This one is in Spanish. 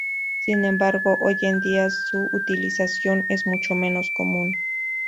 Sin embargo hoy en día su utilización es mucho menos común.